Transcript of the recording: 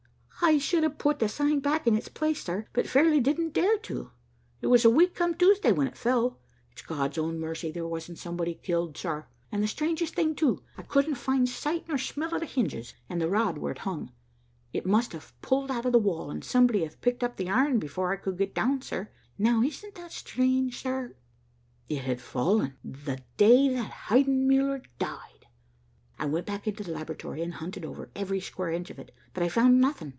'I should have put the sign back in its place, sir, but fairly didn't dare to. It was a week come Tuesday when it fell. It's God's own mercy there wasn't somebody killed, sir. And the strangest thing, too. I couldn't find sight nor smell of the hinges and the rod where it hung. It must have pulled out of the wall, and somebody have picked up the iron, before I could get down, sir. Now isn't that strange, sir?' "It had fallen the day that Heidenmuller died. "I went back into the laboratory and hunted over every square inch of it, but I found nothing.